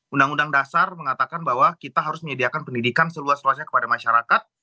undang undang dasar mengatakan bahwa kita harus menyediakan pendidikan seluas luasnya kepada masyarakat